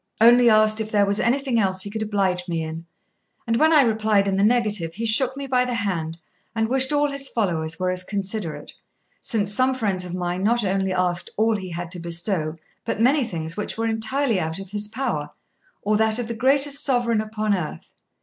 'Only asked if there was anything else he could oblige me in; and when I replied in the negative, he shook me by the hand, and wished all his followers were as considerate, since some friends of mine not only asked all he had to bestow, but many things which were entirely out of his power, or that of the greatest sovereign upon earth.